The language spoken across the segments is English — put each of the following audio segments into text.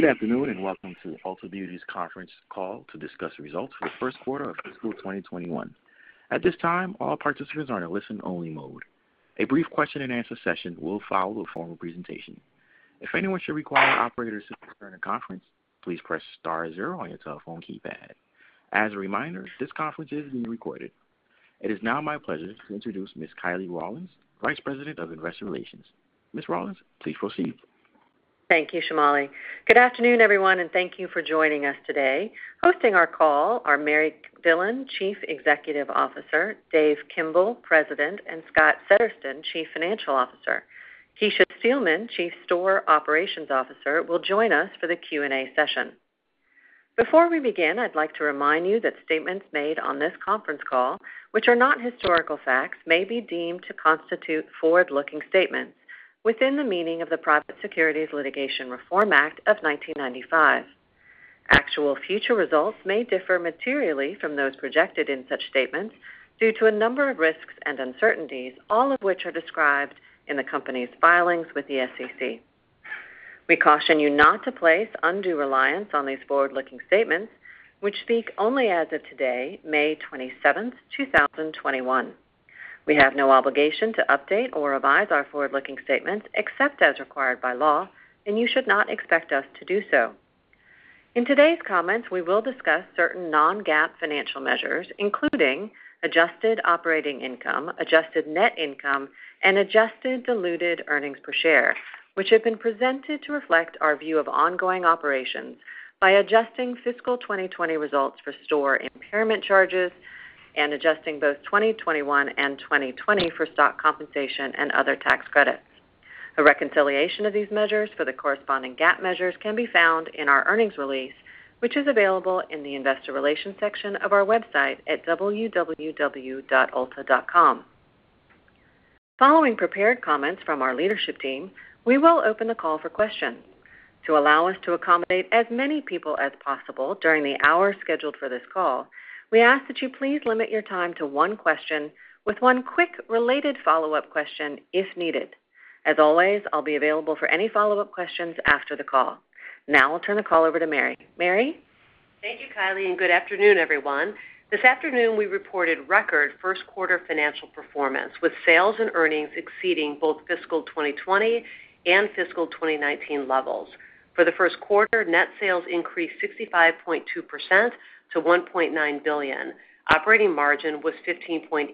Good afternoon, welcome to Ulta Beauty's conference call to discuss results for the first quarter of fiscal 2021. At this time, all participants are in listen only mode. A brief question and answer session will follow the formal presentation. If anyone should require operator support during the conference, please press star zero on your telephone keypad. As a reminder, this conference is being recorded. It is now my pleasure to introduce Ms. Kiley Rawlins, Vice President of Investor Relations. Ms. Rawlins, please proceed. Thank you, Shamali. Good afternoon, everyone, thank you for joining us today. Hosting our call are Mary Dillon, Chief Executive Officer, Dave Kimbell, President, Scott Settersten, Chief Financial Officer. Kecia Steelman, Chief Store Operations Officer, will join us for the Q&A session. Before we begin, I'd like to remind you that statements made on this conference call, which are not historical facts, may be deemed to constitute forward-looking statements within the meaning of the Private Securities Litigation Reform Act of 1995. Actual future results may differ materially from those projected in such statements due to a number of risks and uncertainties, all of which are described in the company's filings with the SEC. We caution you not to place undue reliance on these forward-looking statements, which speak only as of today, May 27th, 2021. We have no obligation to update or revise our forward-looking statements except as required by law, and you should not expect us to do so. In today's comments, we will discuss certain non-GAAP financial measures, including adjusted operating income, adjusted net income, and adjusted diluted earnings per share, which have been presented to reflect our view of ongoing operations by adjusting fiscal 2020 results for store impairment charges and adjusting both 2021 and 2020 for stock compensation and other tax credits. A reconciliation of these measures to the corresponding GAAP measures can be found in our earnings release, which is available in the Investor Relations section of our website at www.ulta.com. Following prepared comments from our leadership team, we will open the call for questions. To allow us to accommodate as many people as possible during the hour scheduled for this call, we ask that you please limit your time to one question with one quick related follow-up question if needed. As always, I'll be available for any follow-up questions after the call. Now I'll turn the call over to Mary. Mary? Thank you, Kiley, and good afternoon, everyone. This afternoon, we reported record first quarter financial performance, with sales and earnings exceeding both fiscal 2020 and fiscal 2019 levels. For the first quarter, net sales increased 65.2% to $1.9 billion. Operating margin was 15.8%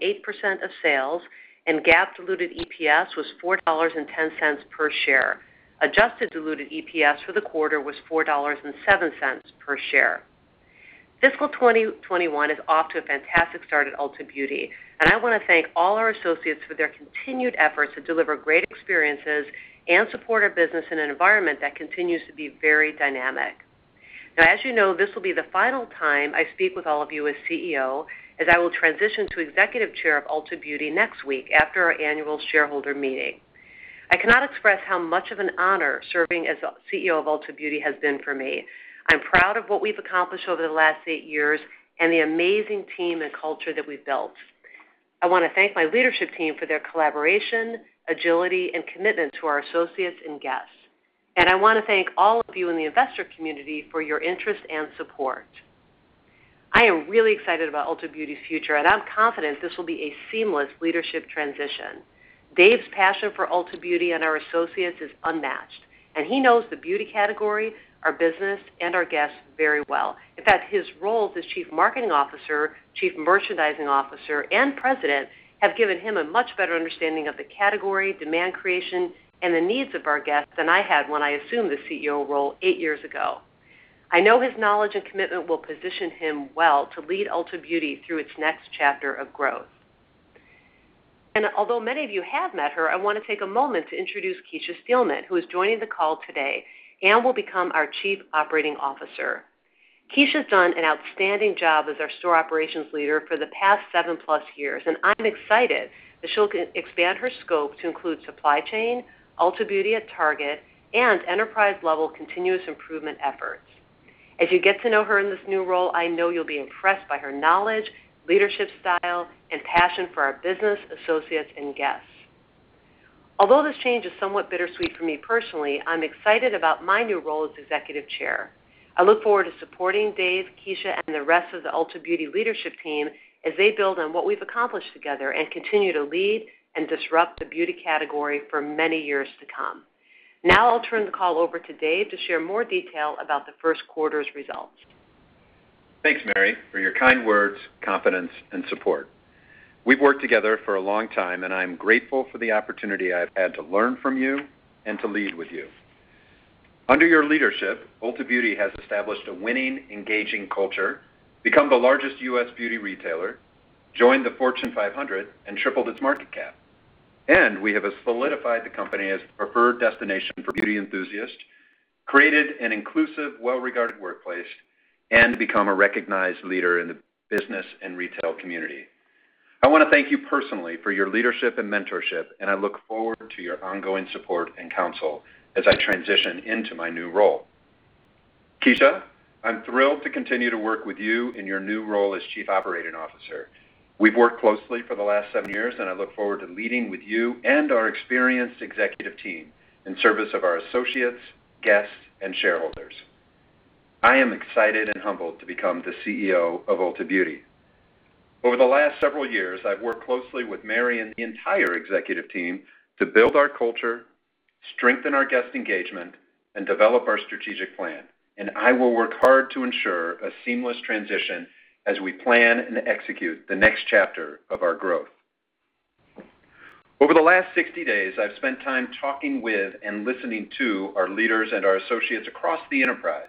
of sales. GAAP diluted EPS was $4.10 per share. Adjusted diluted EPS for the quarter was $4.07 per share. Fiscal 2021 is off to a fantastic start at Ulta Beauty. I want to thank all our associates for their continued efforts to deliver great experiences and support our business in an environment that continues to be very dynamic. As you know, this will be the final time I speak with all of you as CEO, as I will transition to Executive Chair of Ulta Beauty next week after our annual shareholder meeting. I cannot express how much of an honor serving as CEO of Ulta Beauty has been for me. I'm proud of what we've accomplished over the last eight years and the amazing team and culture that we've built. I want to thank my leadership team for their collaboration, agility, and commitment to our associates and guests. I want to thank all of you in the investor community for your interest and support. I am really excited about Ulta Beauty's future, and I'm confident this will be a seamless leadership transition. Dave's passion for Ulta Beauty and our associates is unmatched, and he knows the beauty category, our business, and our guests very well. In fact, his role as the Chief Marketing Officer, Chief Merchandising Officer, and President, have given him a much better understanding of the category, demand creation, and the needs of our guests than I had when I assumed the CEO role eight years ago. I know his knowledge and commitment will position him well to lead Ulta Beauty through its next chapter of growth. Although many of you have met her, I want to take a moment to introduce Kecia Steelman, who is joining the call today and will become our Chief Operating Officer. Kecia's done an outstanding job as our store operations leader for the past seven-plus years, and I'm excited that she'll expand her scope to include supply chain, Ulta Beauty at Target, and enterprise-level continuous improvement efforts. As you get to know her in this new role, I know you'll be impressed by her knowledge, leadership style, and passion for our business, associates, and guests. Although this change is somewhat bittersweet for me personally, I'm excited about my new role as Executive Chair. I look forward to supporting Dave, Kecia, and the rest of the Ulta Beauty leadership team as they build on what we've accomplished together and continue to lead and disrupt the beauty category for many years to come. Now I'll turn the call over to Dave to share more detail about the first quarter's results. Thanks, Mary, for your kind words, confidence, and support. We've worked together for a long time, and I'm grateful for the opportunity I've had to learn from you and to lead with you. Under your leadership, Ulta Beauty has established a winning, engaging culture, become the largest U.S. beauty retailer, joined the Fortune 500, and tripled its market cap. We have solidified the company as a preferred destination for beauty enthusiasts, created an inclusive, well-regarded workplace, and become a recognized leader in the business and retail community. I want to thank you personally for your leadership and mentorship, and I look forward to your ongoing support and counsel as I transition into my new role. Kecia, I'm thrilled to continue to work with you in your new role as chief operating officer. We've worked closely for the last seven years, and I look forward to leading with you and our experienced executive team in service of our associates, guests, and shareholders. I am excited and humbled to become the CEO of Ulta Beauty. Over the last several years, I've worked closely with Mary and the entire executive team to build our culture, strengthen our guest engagement, and develop our strategic plan, and I will work hard to ensure a seamless transition as we plan and execute the next chapter of our growth. Over the last 60 days, I've spent time talking with and listening to our leaders and our associates across the enterprise.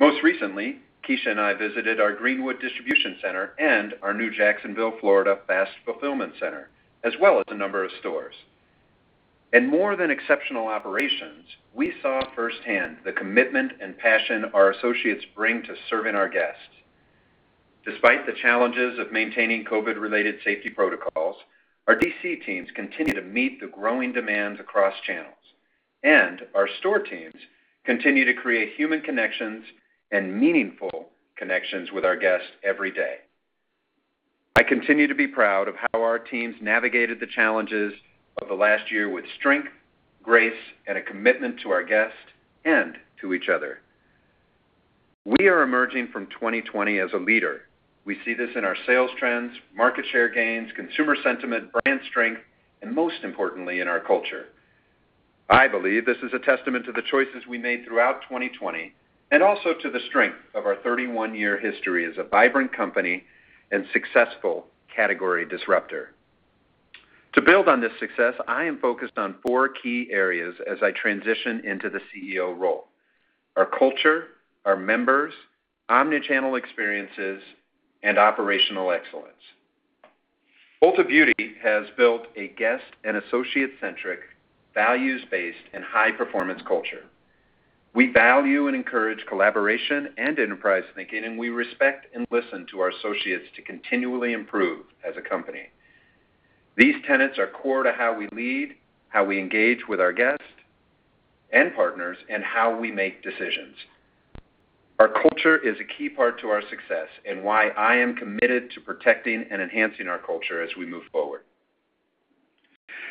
Most recently, Kecia and I visited our Greenwood distribution center and our new Jacksonville, Florida, fast fulfillment center, as well as a number of stores. In more than exceptional operations, we saw firsthand the commitment and passion our associates bring to serving our guests. Despite the challenges of maintaining COVID-related safety protocols, our DC teams continue to meet the growing demands across channels, and our store teams continue to create human connections and meaningful connections with our guests every day. I continue to be proud of how our teams navigated the challenges of the last year with strength, grace, and a commitment to our guests and to each other. We are emerging from 2020 as a leader. We see this in our sales trends, market share gains, consumer sentiment, brand strength, and most importantly, in our culture. I believe this is a testament to the choices we made throughout 2020, and also to the strength of our 31 year history as a vibrant company and successful category disruptor. To build on this success, I am focused on four key areas as I transition into the CEO role, our culture, our members, omnichannel experiences, and operational excellence. Ulta Beauty has built a guest and associate centric, values based, and high performance culture. We value and encourage collaboration and enterprise thinking, and we respect and listen to our associates to continually improve as a company. These tenets are core to how we lead, how we engage with our guests and partners, and how we make decisions. Our culture is a key part to our success and why I am committed to protecting and enhancing our culture as we move forward.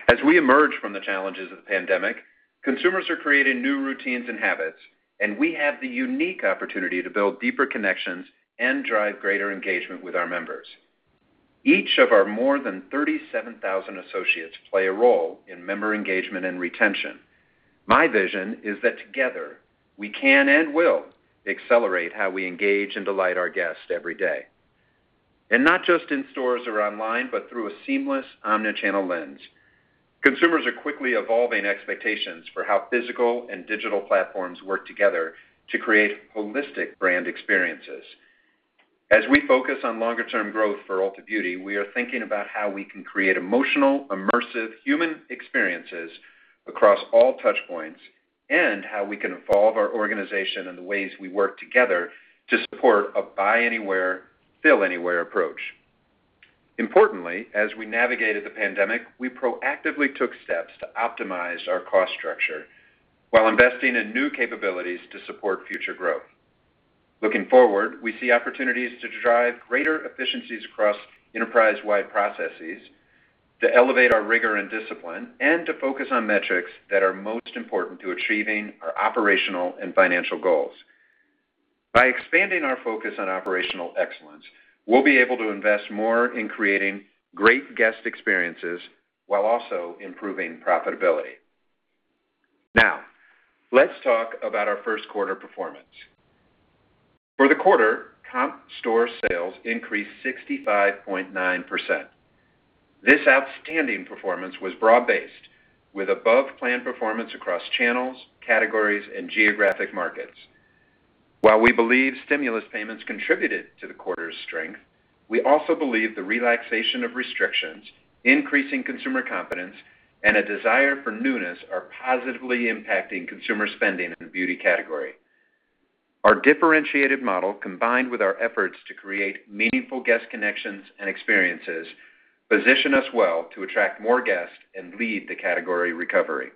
As we emerge from the challenges of the pandemic, consumers are creating new routines and habits, and we have the unique opportunity to build deeper connections and drive greater engagement with our members. Each of our more than 37,000 associates play a role in member engagement and retention. My vision is that together we can and will accelerate how we engage and delight our guests every day, and not just in stores or online, but through a seamless omnichannel lens. Consumers are quickly evolving expectations for how physical and digital platforms work together to create holistic brand experiences. As we focus on longer term growth for Ulta Beauty, we are thinking about how we can create emotional, immersive human experiences across all touch points, and how we can evolve our organization and the ways we work together to support a buy anywhere, fill anywhere approach. Importantly, as we navigated the pandemic, we proactively took steps to optimize our cost structure while investing in new capabilities to support future growth. Looking forward, we see opportunities to drive greater efficiencies across enterprise-wide processes, to elevate our rigor and discipline, and to focus on metrics that are most important to achieving our operational and financial goals. By expanding our focus on operational excellence, we'll be able to invest more in creating great guest experiences while also improving profitability. Let's talk about our first quarter performance. For the quarter, comp store sales increased 65.9%. This outstanding performance was broad-based with above plan performance across channels, categories, and geographic markets. While we believe stimulus payments contributed to the quarter's strength, we also believe the relaxation of restrictions, increasing consumer confidence, and a desire for newness are positively impacting consumer spending in the beauty category. Our differentiated model, combined with our efforts to create meaningful guest connections and experiences, position us well to attract more guests and lead the category recovery.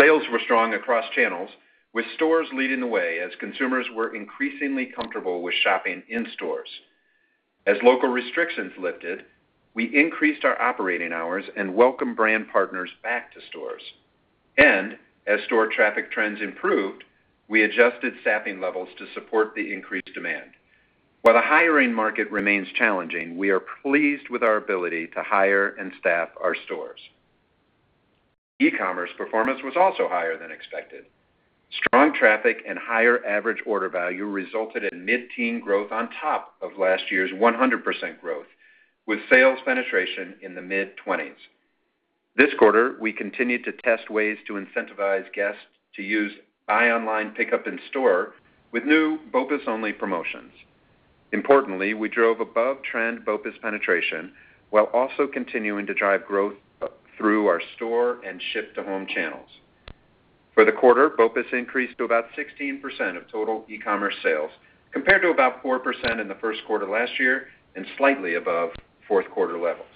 Sales were strong across channels, with stores leading the way as consumers were increasingly comfortable with shopping in stores. As local restrictions lifted, we increased our operating hours and welcomed brand partners back to stores. As store traffic trends improved, we adjusted staffing levels to support the increased demand. While the hiring market remains challenging, we are pleased with our ability to hire and staff our stores. E-commerce performance was also higher than expected. Strong traffic and higher average order value resulted in mid-teen growth on top of last year's 100% growth, with sales penetration in the mid 20s. This quarter, we continued to test ways to incentivize guests to use buy online pickup in store with new BOPIS only promotions. Importantly, we drove above trend BOPIS penetration while also continuing to drive growth through our store and ship to home channels. For the quarter, BOPIS increased to about 16% of total e-commerce sales, compared to about 4% in the first quarter last year and slightly above fourth quarter levels.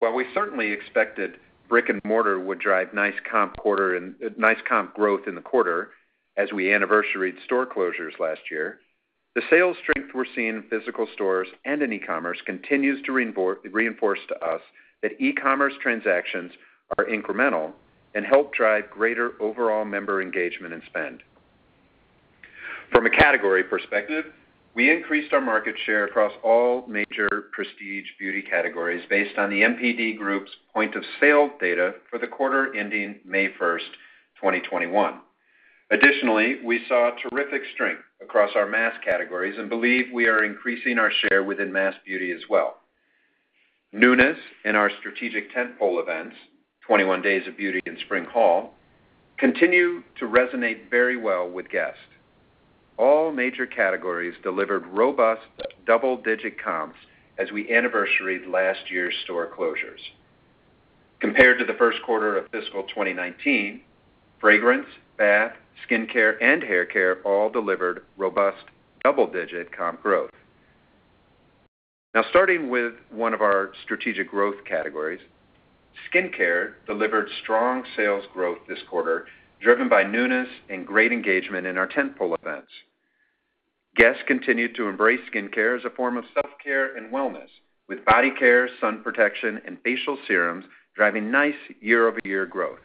While we certainly expected brick-and-mortar would drive nice comp growth in the quarter as we anniversaried store closures last year, the sales strength we're seeing in physical stores and in e-commerce continues to reinforce to us that e-commerce transactions are incremental and help drive greater overall member engagement and spend. From a category perspective, we increased our market share across all major prestige beauty categories based on The NPD Group's point of sale data for the quarter ending May 1st, 2021. Additionally, we saw terrific strength across our mass categories and believe we are increasing our share within mass beauty as well. Newness in our strategic tentpole events, 21 Days of Beauty and Spring Haul, continue to resonate very well with guests. All major categories delivered robust double-digit comps as we anniversaried last year's store closures. Compared to the first quarter of fiscal 2019, fragrance, bath, skincare, and haircare all delivered robust double-digit comp growth. Starting with one of our strategic growth categories, skincare delivered strong sales growth this quarter, driven by newness and great engagement in our tentpole events. Guests continued to embrace skincare as a form of self-care and wellness, with body care, sun protection, and facial serums driving nice year-over-year growth.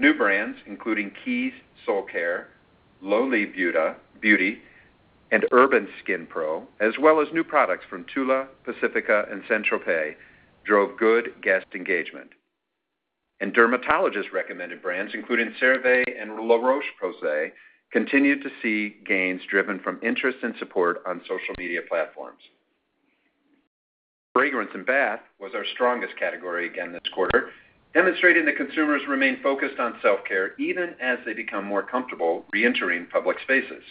New brands, including Keys Soulcare, Loli Beauty, and Urban Skin Rx, as well as new products from Tula, Pacifica, and CeraVe, drove good guest engagement. Dermatologist-recommended brands, including CeraVe and La Roche-Posay, continued to see gains driven from interest and support on social media platforms. Fragrance and bath was our strongest category again this quarter, demonstrating that consumers remain focused on self-care even as they become more comfortable reentering public spaces.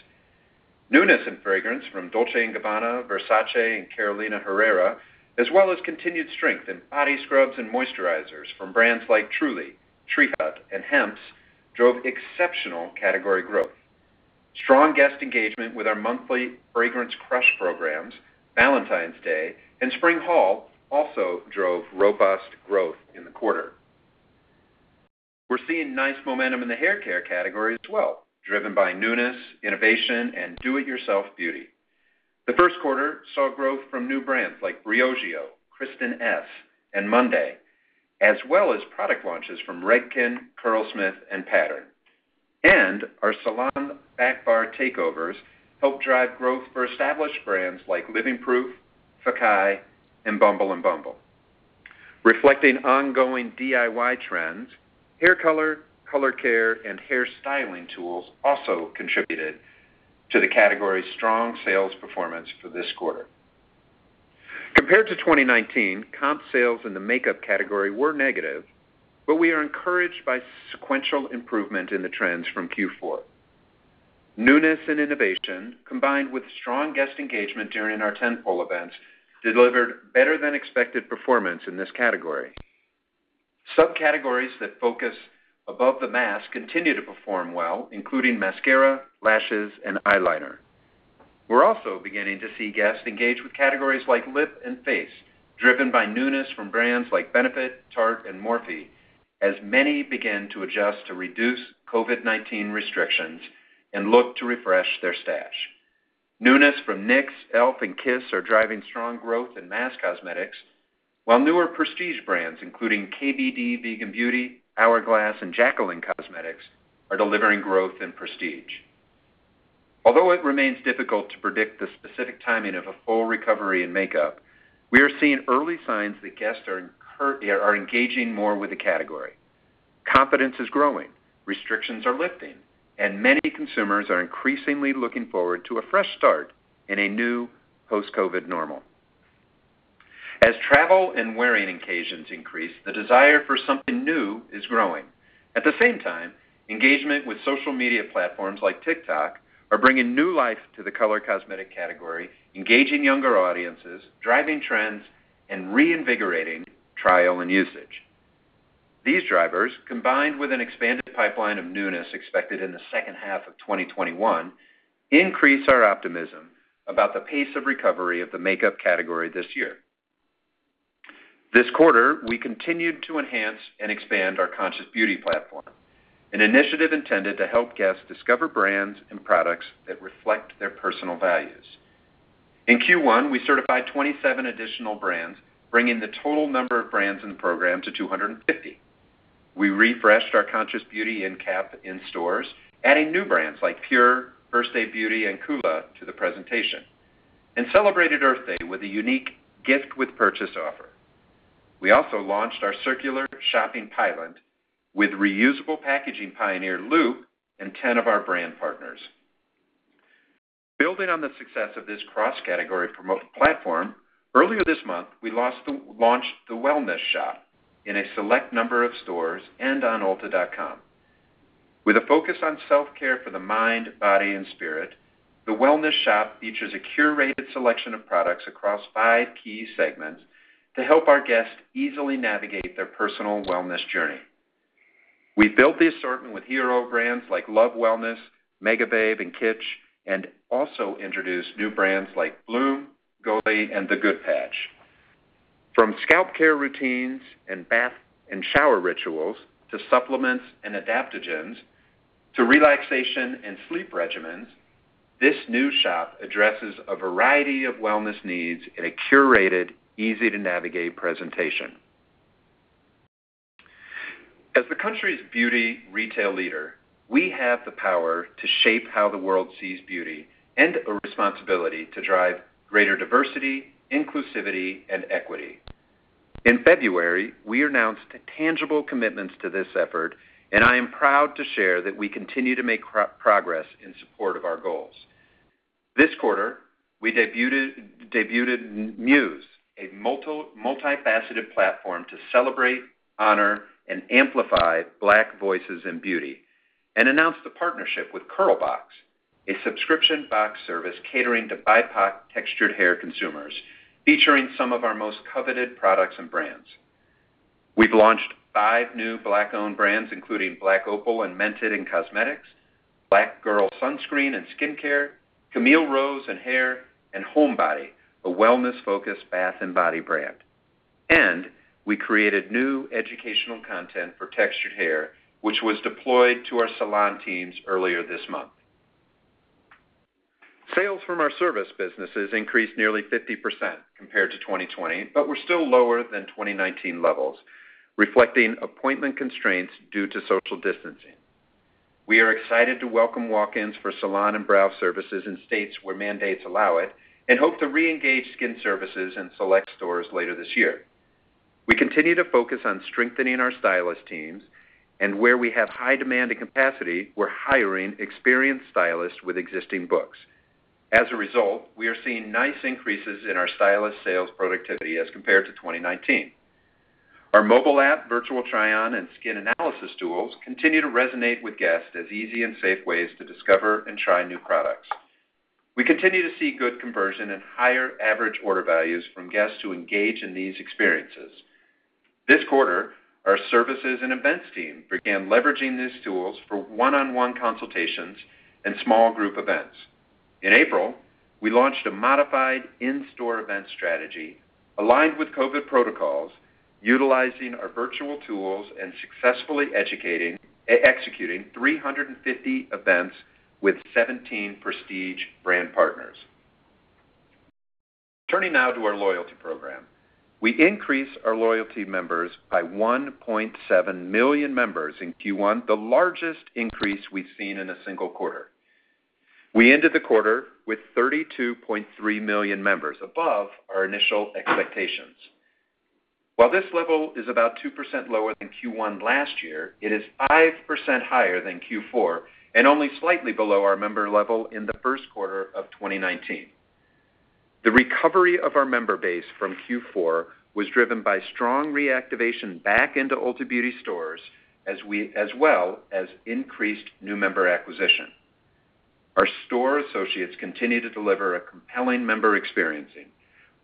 Newness in fragrance from Dolce & Gabbana, Versace, and Carolina Herrera, as well as continued strength in body scrubs and moisturizers from brands like Truly, Tree Hut, and Hempz, drove exceptional category growth. Strong guest engagement with our monthly Fragrance Crush programs, Valentine's Day, and Spring Haul also drove robust growth in the quarter. We're seeing nice momentum in the haircare category as well, driven by newness, innovation, and do-it-yourself beauty. The first quarter saw growth from new brands like Briogeo, Kristin Ess, and Monday, as well as product launches from Redken, Curlsmith, and Pattern. Our salon backbar takeovers helped drive growth for established brands like Living Proof, TIGI, and Bumble and bumble. Reflecting ongoing DIY trends, hair color care, and hair styling tools also contributed to the category's strong sales performance for this quarter. Compared to 2019, comp sales in the makeup category were negative, but we are encouraged by sequential improvement in the trends from Q4. Newness and innovation, combined with strong guest engagement during our tentpole events, delivered better than expected performance in this category. Subcategories that focus above the mask continue to perform well, including mascara, lashes, and eyeliner. We're also beginning to see guests engage with categories like lip and face, driven by newness from brands like Benefit, Tarte, and Morphe, as many begin to adjust to reduced COVID-19 restrictions and look to refresh their stash. Newness from NYX, e.l.f., and Kiss are driving strong growth in mass cosmetics, while newer prestige brands, including KVD Vegan Beauty, Hourglass, and Jaclyn Cosmetics, are delivering growth in prestige. Although it remains difficult to predict the specific timing of a full recovery in makeup, we are seeing early signs that guests are engaging more with the category. Confidence is growing, restrictions are lifting, and many consumers are increasingly looking forward to a fresh start in a new post-COVID normal. As travel and wearing occasions increase, the desire for something new is growing. At the same time, engagement with social media platforms like TikTok are bringing new life to the color cosmetic category, engaging younger audiences, driving trends, and reinvigorating trial and usage. These drivers, combined with an expanded pipeline of newness expected in the second half of 2021, increase our optimism about the pace of recovery of the makeup category this year. This quarter, we continued to enhance and expand our Conscious Beauty platform, an initiative intended to help guests discover brands and products that reflect their personal values. In Q1, we certified 27 additional brands, bringing the total number of brands in the program to 250. We refreshed our Conscious Beauty end cap in stores, adding new brands like PÜR, First Aid Beauty, and COOLA to the presentation, and celebrated Earth Day with a unique gift with purchase offer. We also launched our circular shopping pilot with reusable packaging pioneer Loop and 10 of our brand partners. Building on the success of this cross-category promotion platform, earlier this month, we launched The Wellness Shop in a select number of stores and on ulta.com. With a focus on self-care for the mind, body, and spirit, The Wellness Shop features a curated selection of products across five key segments to help our guests easily navigate their personal wellness journey. We built this assortment with hero brands like Love Wellness, Megababe, and Kitsch, and also introduced new brands like Blume, Goli, and The Good Patch. From scalp care routines and bath and shower rituals to supplements and adaptogens to relaxation and sleep regimens, this new shop addresses a variety of wellness needs in a curated, easy-to-navigate presentation. As the country's beauty retail leader, we have the power to shape how the world sees beauty and a responsibility to drive greater diversity, inclusivity, and equity. In February, we announced tangible commitments to this effort, and I am proud to share that we continue to make progress in support of our goals. This quarter, we debuted MUSE, a multifaceted platform to celebrate, honor, and amplify Black voices in beauty, and announced a partnership with Curlbox, a subscription box service catering to BIPOC textured hair consumers, featuring some of our most coveted products and brands. We've launched five new Black-owned brands, including Black Opal and Mented in cosmetics, Black Girl Sunscreen in skincare, Camille Rose in hair, and Homebody, a wellness-focused bath and body brand. We created new educational content for textured hair, which was deployed to our salon teams earlier this month. Sales from our service businesses increased nearly 50% compared to 2020, but were still lower than 2019 levels, reflecting appointment constraints due to social distancing. We are excited to welcome walk-ins for salon and brow services in states where mandates allow it and hope to reengage skin services in select stores later this year. We continue to focus on strengthening our stylist teams, and where we have high demand and capacity, we're hiring experienced stylists with existing books. As a result, we are seeing nice increases in our stylist sales productivity as compared to 2019. Our mobile app, virtual try-on, and skin analysis tools continue to resonate with guests as easy and safe ways to discover and try new products. We continue to see good conversion and higher average order values from guests who engage in these experiences. This quarter, our services and events team began leveraging these tools for one-on-one consultations and small group events. In April, we launched a modified in-store event strategy aligned with COVID protocols, utilizing our virtual tools and successfully executing 350 events with 17 prestige brand partners. Turning now to our loyalty program. We increased our loyalty members by 1.7 million members in Q1, the largest increase we've seen in a single quarter. We ended the quarter with 32.3 million members, above our initial expectations. While this level is about 2% lower than Q1 last year, it is 5% higher than Q4 and only slightly below our member level in the first quarter of 2019. The recovery of our member base from Q4 was driven by strong reactivation back into Ulta Beauty stores, as well as increased new member acquisition. Our store associates continue to deliver a compelling member experience,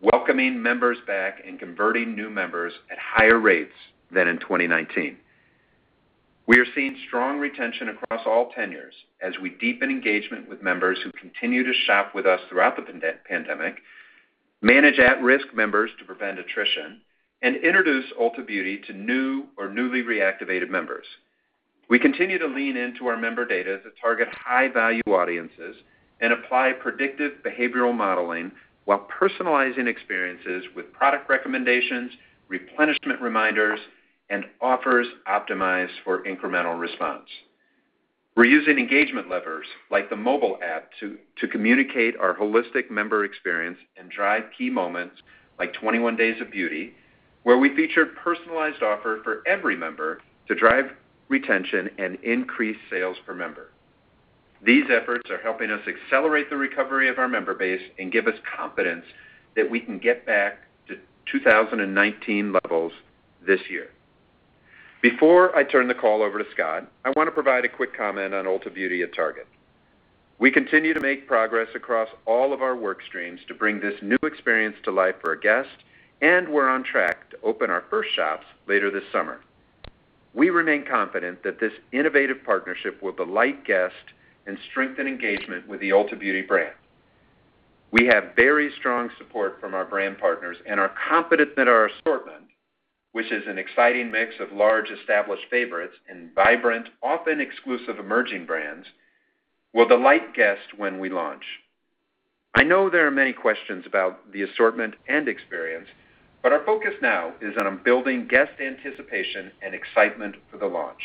welcoming members back and converting new members at higher rates than in 2019. We are seeing strong retention across all tenures as we deepen engagement with members who continue to shop with us throughout the pandemic, manage at-risk members to prevent attrition, and introduce Ulta Beauty to new or newly reactivated members. We continue to lean into our member data to target high-value audiences and apply predictive behavioral modeling while personalizing experiences with product recommendations, replenishment reminders, and offers optimized for incremental response. We're using engagement levers like the mobile app to communicate our holistic member experience and drive key moments like 21 Days of Beauty, where we featured personalized offers for every member to drive retention and increase sales per member. These efforts are helping us accelerate the recovery of our member base and give us confidence that we can get back to 2019 levels this year. Before I turn the call over to Scott, I want to provide a quick comment on Ulta Beauty at Target. We continue to make progress across all of our work streams to bring this new experience to life for our guests, and we're on track to open our first shops later this summer. We remain confident that this innovative partnership will delight guests and strengthen engagement with the Ulta Beauty brand. We have very strong support from our brand partners and are confident that our assortment, which is an exciting mix of large, established favorites and vibrant, often exclusive emerging brands, will delight guests when we launch. I know there are many questions about the assortment and experience, but our focus now is on building guest anticipation and excitement for the launch.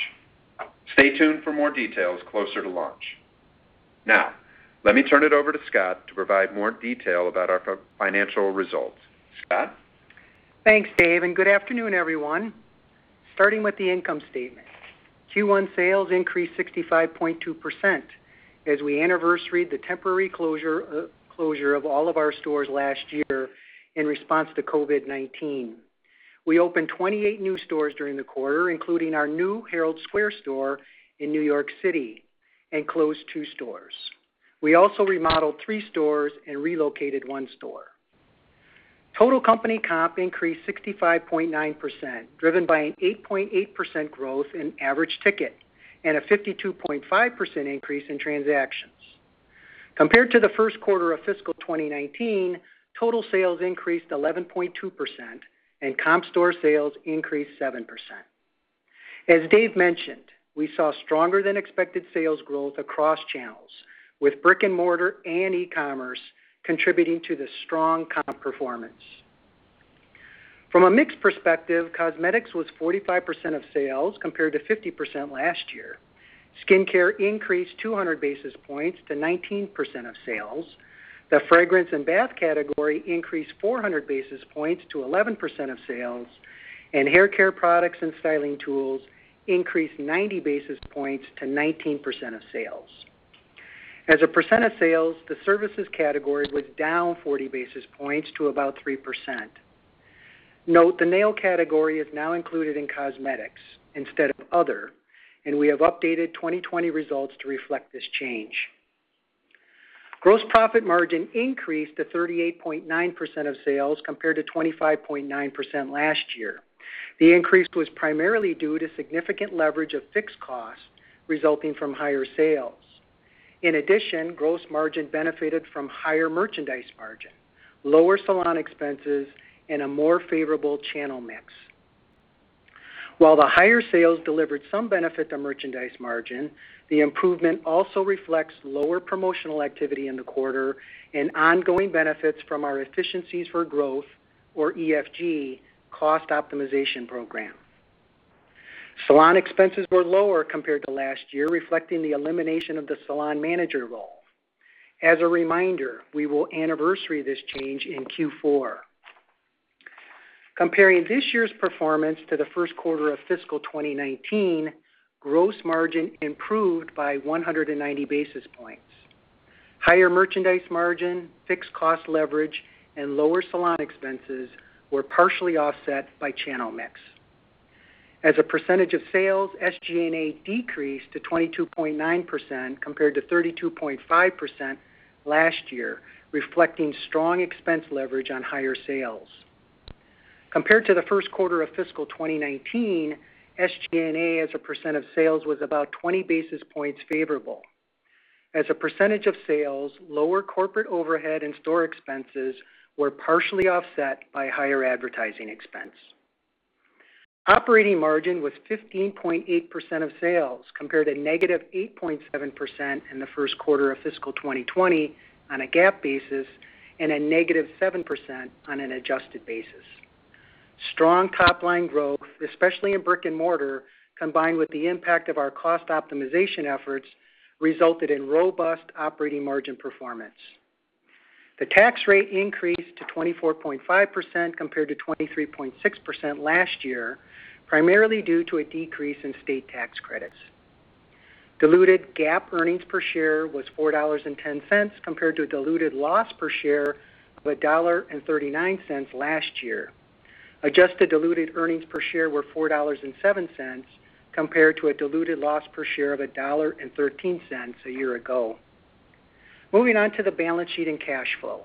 Stay tuned for more details closer to launch. Now, let me turn it over to Scott to provide more detail about our financial results. Scott? Thanks, Dave, and good afternoon, everyone. Starting with the income statement. Q1 sales increased 65.2% as we anniversaried the temporary closure of all of our stores last year in response to COVID-19. We opened 28 new stores during the quarter, including our new Herald Square store in New York City, and closed two stores. We also remodeled three stores and relocated one store. Total company comp increased 65.9%, driven by an 8.8% growth in average ticket and a 52.5% increase in transactions. Compared to the first quarter of fiscal 2019, total sales increased 11.2%, and comp store sales increased 7%. As Dave mentioned, we saw stronger than expected sales growth across channels, with brick and mortar and e-commerce contributing to the strong comp performance. From a mix perspective, cosmetics was 45% of sales, compared to 50% last year. Skincare increased 200 basis points to 19% of sales. The fragrance and bath category increased 400 basis points to 11% of sales, and haircare products and styling tools increased 90 basis points to 19% of sales. As a percent of sales, the services category was down 40 basis points to about 3%. Note, the nail category is now included in cosmetics instead of other, and we have updated 2020 results to reflect this change. Gross profit margin increased to 38.9% of sales compared to 25.9% last year. The increase was primarily due to significant leverage of fixed costs resulting from higher sales. In addition, gross margin benefited from higher merchandise margin, lower salon expenses, and a more favorable channel mix. While the higher sales delivered some benefit to merchandise margin, the improvement also reflects lower promotional activity in the quarter and ongoing benefits from our efficiencies for growth, or EFG cost optimization program. Salon expenses were lower compared to last year, reflecting the elimination of the salon manager role. As a reminder, we will anniversary this change in Q4. Comparing this year's performance to the first quarter of fiscal 2019, gross margin improved by 190 basis points. Higher merchandise margin, fixed cost leverage, and lower salon expenses were partially offset by channel mix. As a percentage of sales, SG&A decreased to 22.9% compared to 32.5% last year, reflecting strong expense leverage on higher sales. Compared to the first quarter of fiscal 2019, SG&A as a percent of sales was about 20 basis points favorable. As a percentage of sales, lower corporate overhead and store expenses were partially offset by higher advertising expense. Operating margin was 15.8% of sales, compared to -8.7% in the first quarter of fiscal 2020 on a GAAP basis, and a -7% on an adjusted basis. Strong top-line growth, especially in brick and mortar, combined with the impact of our cost optimization efforts, resulted in robust operating margin performance. The tax rate increased to 24.5% compared to 23.6% last year, primarily due to a decrease in state tax credits. Diluted GAAP earnings per share was $4.10 compared to diluted loss per share of $1.39 last year. Adjusted diluted earnings per share were $4.07 compared to a diluted loss per share of $1.13 a year ago. Moving on to the balance sheet and cash flow.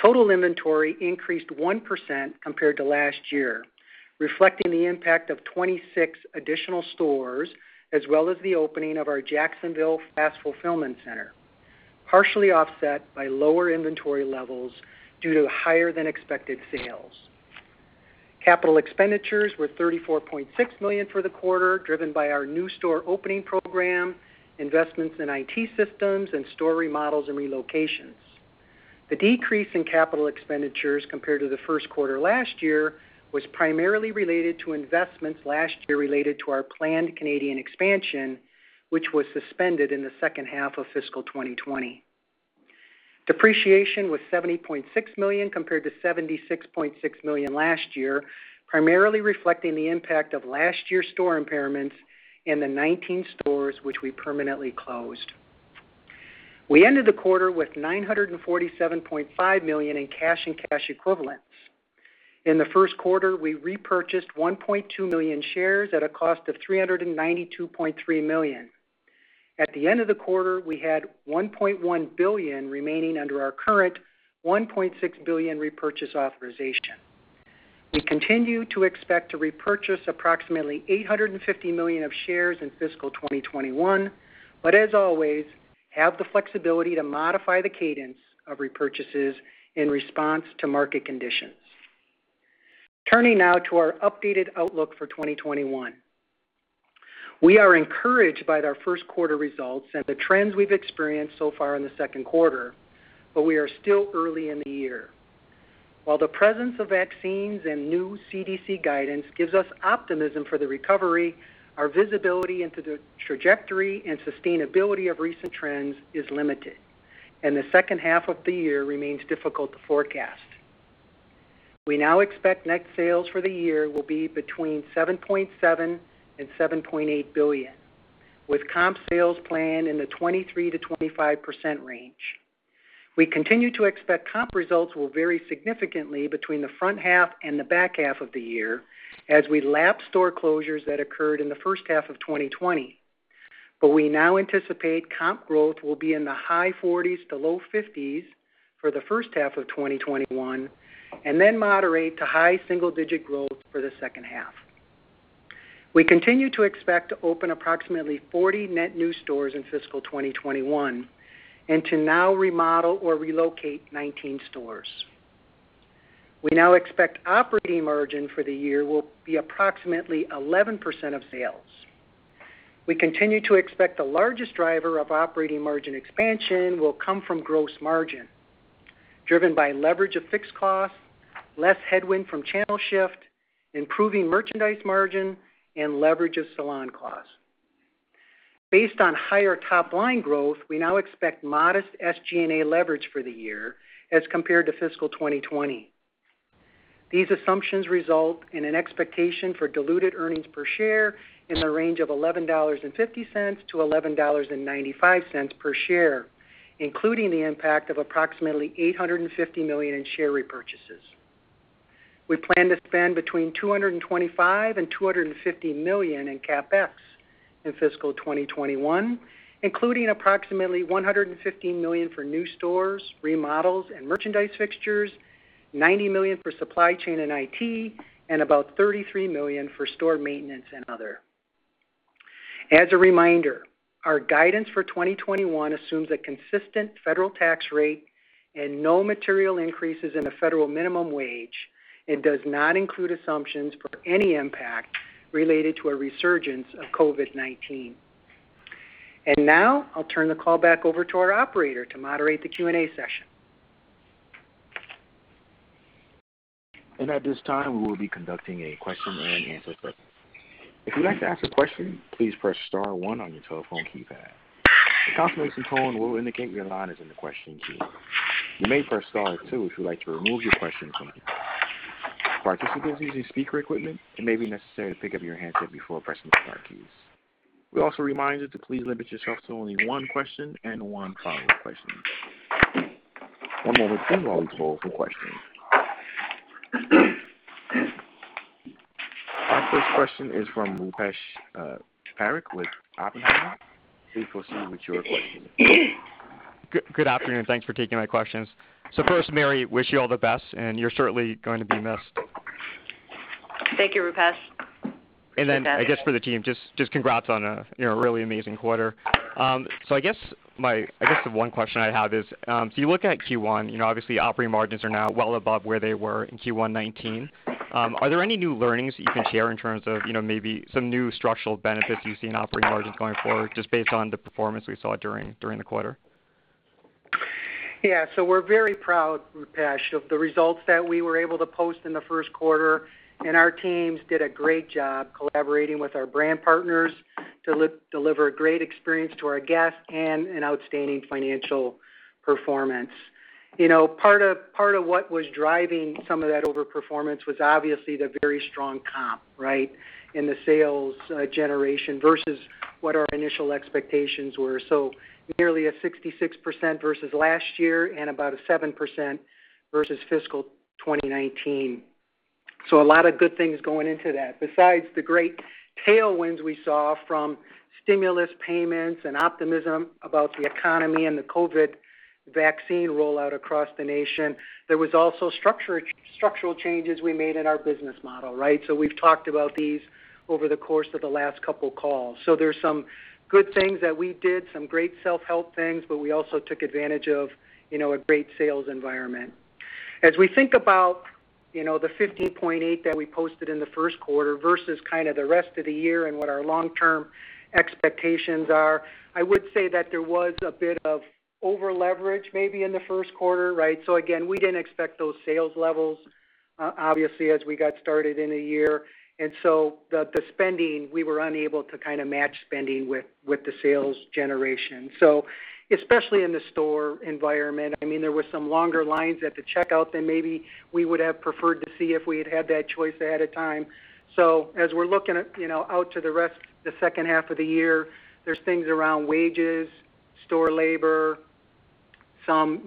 Total inventory increased 1% compared to last year, reflecting the impact of 26 additional stores, as well as the opening of our Jacksonville fast fulfillment center, partially offset by lower inventory levels due to higher than expected sales. Capital expenditures were $34.6 million for the quarter, driven by our new store opening program, investments in IT systems, and store remodels and relocations. The decrease in capital expenditures compared to the first quarter last year was primarily related to investments last year related to our planned Canadian expansion, which was suspended in the second half of fiscal 2020. Depreciation was $70.6 million compared to $76.6 million last year, primarily reflecting the impact of last year's store impairments and the 19 stores which we permanently closed. We ended the quarter with $947.5 million in cash and cash equivalents. In the first quarter, we repurchased 1.2 million shares at a cost of $392.3 million. At the end of the quarter, we had $1.1 billion remaining under our current $1.6 billion repurchase authorization. We continue to expect to repurchase approximately $850 million of shares in fiscal 2021, but as always, have the flexibility to modify the cadence of repurchases in response to market conditions. Turning now to our updated outlook for 2021. We are encouraged by our first quarter results and the trends we've experienced so far in the second quarter. We are still early in the year. While the presence of vaccines and new CDC guidance gives us optimism for the recovery, our visibility into the trajectory and sustainability of recent trends is limited, and the second half of the year remains difficult to forecast. We now expect net sales for the year will be between $7.7 billion and $7.8 billion, with comp sales planned in the 23%-25% range. We continue to expect comp results will vary significantly between the front half and the back half of the year as we lap store closures that occurred in the first half of 2020. We now anticipate comp growth will be in the high 40s to low 50s for the first half of 2021, and then moderate to high single-digit growth for the second half. We continue to expect to open approximately 40 net new stores in fiscal 2021 and to now remodel or relocate 19 stores. We now expect operating margin for the year will be approximately 11% of sales. We continue to expect the largest driver of operating margin expansion will come from gross margin, driven by leverage of fixed costs, less headwind from channel shift, improving merchandise margin, and leverage of salon costs. Based on higher top-line growth, we now expect modest SG&A leverage for the year as compared to fiscal 2020. These assumptions result in an expectation for diluted earnings per share in the range of $11.50-$11.95 per share, including the impact of approximately $850 million in share repurchases. We plan to spend between $225 million and $250 million in CapEx in fiscal 2021, including approximately $150 million for new stores, remodels, and merchandise fixtures, $90 million for supply chain and IT, and about $33 million for store maintenance and other. As a reminder, our guidance for 2021 assumes a consistent federal tax rate and no material increases in the federal minimum wage. It does not include assumptions for any impact related to a resurgence of COVID-19. Now I'll turn the call back over to our operator to moderate the Q&A session. At this time, we will be conducting a question and answer session. If you'd like to ask a question, please press star one on your telephone keypad. The conference control will indicate your line is in the question queue. You may press star two if you'd like to remove your question from the queue. For our participants using speaker equipment, it may be necessary to pick up your handset before pressing star keys. We also remind you to please limit yourself to only one question and one follow-up question. One moment please while we pull for questions. Our first question is from Rupesh Parikh with Oppenheimer. Please proceed with your question. Good afternoon. Thanks for taking my questions. First, Mary, wish you all the best, and you're certainly going to be missed. Thank you, Rupesh. Thanks, guys. I guess for the team, just congrats on a really amazing quarter. I guess one question I have is, if you look at Q1, obviously operating margins are now well above where they were in Q1 2019. Are there any new learnings that you can share in terms of maybe some new structural benefits you see in operating margins going forward, just based on the performance we saw during the quarter? Yeah. We're very proud, Rupesh, of the results that we were able to post in the first quarter, and our teams did a great job collaborating with our brand partners to deliver a great experience to our guests and an outstanding financial performance. Part of what was driving some of that over-performance was obviously the very strong comp, right? The sales generation versus what our initial expectations were. Nearly a 66% versus last year and about a 7% versus fiscal 2019. A lot of good things going into that. Besides the great tailwinds we saw from stimulus payments and optimism about the economy and the COVID vaccine rollout across the nation, there was also structural changes we made in our business model, right? We've talked about these over the course of the last couple calls. There's some good things that we did, some great self-help things, but we also took advantage of a great sales environment. As we think about the 15.8% that we posted in the first quarter versus kind of the rest of the year and what our long-term expectations are, I would say that there was a bit of over-leverage maybe in the first quarter. Again, we didn't expect those sales levels, obviously, as we got started in a year. The spending, we were unable to kind of match spending with the sales generation. Especially in the store environment, there were some longer lines at the checkout than maybe we would have preferred to see if we had had that choice ahead of time. As we're looking out to the rest of the second half of the year, there's things around wages, store labor, some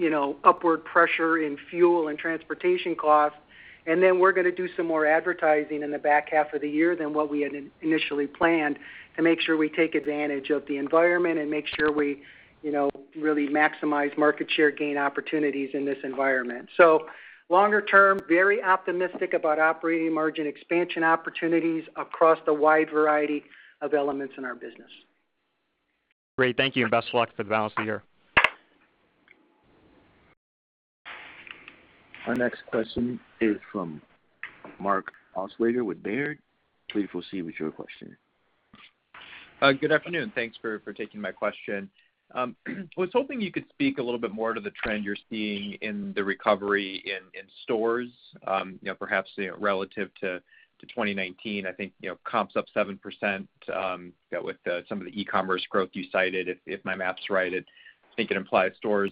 upward pressure in fuel and transportation costs, and then we're going to do some more advertising in the back half of the year than what we had initially planned to make sure we take advantage of the environment and make sure we really maximize market share gain opportunities in this environment. Longer term, very optimistic about operating margin expansion opportunities across the wide variety of elements in our business. Great. Thank you, and best of luck for the balance of the year. Our next question is from Mark Altschwager with Baird. Please proceed with your question. Good afternoon. Thanks for taking my question. Was hoping you could speak a little bit more to the trend you're seeing in the recovery in stores perhaps relative to 2019. I think comps up 7% with some of the e-commerce growth you cited, if my math's right. I think it implies stores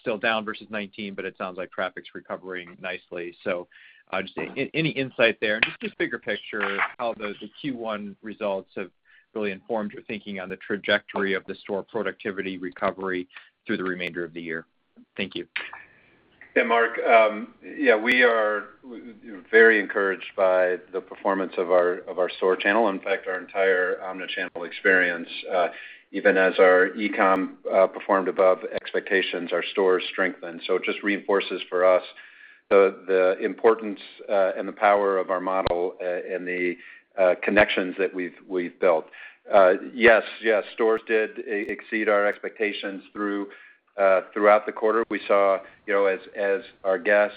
still down versus 2019, it sounds like traffic's recovering nicely. Just any insight there, and just bigger picture how the Q1 results have really informed your thinking on the trajectory of the store productivity recovery through the remainder of the year? Thank you. Hey, Mark. Yeah, we are very encouraged by the performance of our store channel. Our entire omni-channel experience even as our e-com performed above expectations, our stores strengthened. It just reinforces for us the importance and the power of our model, and the connections that we've built. Yes, stores did exceed our expectations throughout the quarter. We saw as our guests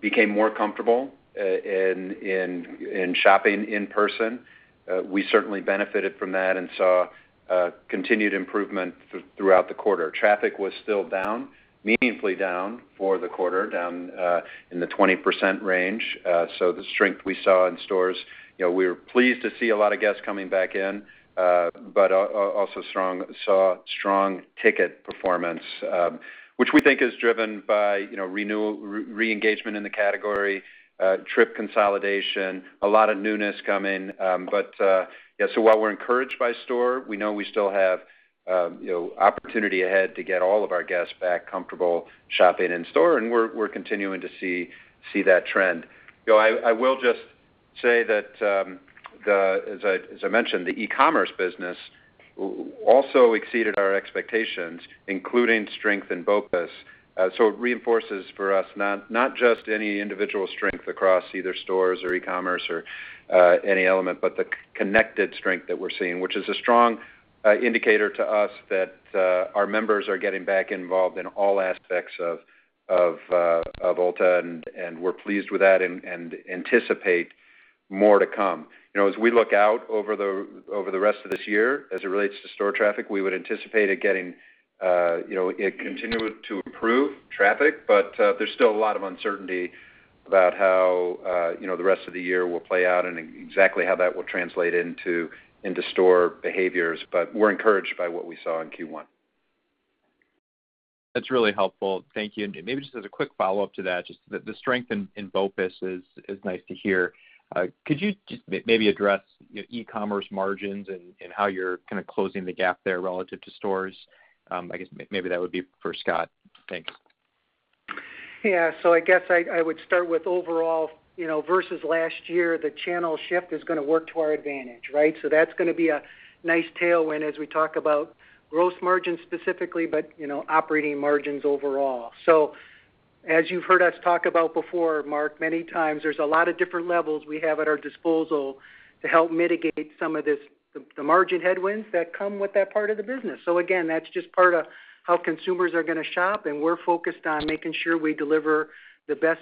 became more comfortable in shopping in person, we certainly benefited from that and saw a continued improvement throughout the quarter. Traffic was still down, meaningfully down for the quarter, down in the 20% range. The strength we saw in stores, we were pleased to see a lot of guests coming back in. Also saw strong ticket performance, which we think is driven by re-engagement in the category, trip consolidation, a lot of newness coming. While we're encouraged by store, we know we still have opportunity ahead to get all of our guests back comfortable shopping in store, and we're continuing to see that trend. I will just say that, as I mentioned, the e-commerce business also exceeded our expectations, including strength in BOPIS. It reinforces for us not just any individual strength across either stores or e-commerce or any element, but the connected strength that we're seeing. Which is a strong indicator to us that our members are getting back involved in all aspects of Ulta, and we're pleased with that and anticipate more to come. As we look out over the rest of this year as it relates to store traffic, we would anticipate it continuing to improve traffic. There's still a lot of uncertainty about how the rest of the year will play out and exactly how that will translate into store behaviors. We're encouraged by what we saw in Q1. That's really helpful. Thank you. Just as a quick follow-up to that, just the strength in BOPIS is nice to hear. Could you maybe address e-commerce margins and how you're closing the gap there relative to stores? I guess maybe that would be for Scott. Thanks. Yeah. I guess I would start with overall, versus last year, the channel shift is going to work to our advantage, right? That's going to be a nice tailwind as we talk about gross margins specifically, but operating margins overall. As you've heard us talk about before, Mark, many times, there's a lot of different levels we have at our disposal to help mitigate some of the margin headwinds that come with that part of the business. Again, that's just part of how consumers are going to shop, and we're focused on making sure we deliver the best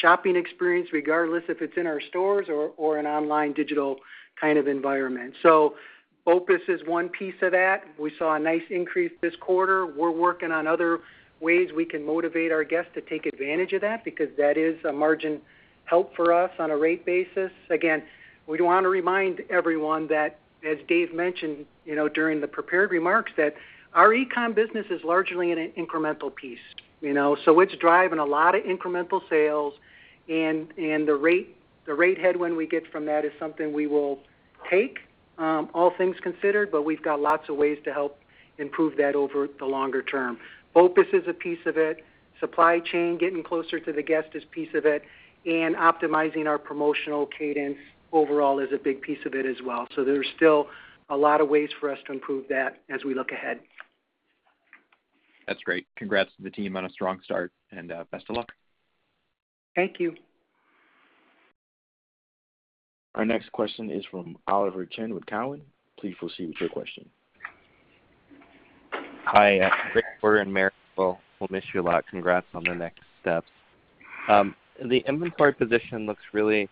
shopping experience, regardless if it's in our stores or an online digital kind of environment. BOPIS is one piece of that. We saw a nice increase this quarter. We're working on other ways we can motivate our guests to take advantage of that, because that is a margin help for us on a rate basis. Again, we want to remind everyone that, as Dave mentioned, during the prepared remarks, that our e-com business is largely an incremental piece. It's driving a lot of incremental sales and the rate headwind we get from that is something we will take, all things considered, but we've got lots of ways to help improve that over the longer term. BOPIS is a piece of it, supply chain getting closer to the guest is piece of it, and optimizing our promotional cadence overall is a big piece of it as well. There's still a lot of ways for us to improve that as we look ahead. That's great. Congrats to the team on a strong start and best of luck. Thank you. Our next question is from Oliver Chen with Cowen. Please proceed with your question. Hi. Great quarter, Mary. We'll miss you a lot. Congrats on the next steps. The inventory position looks really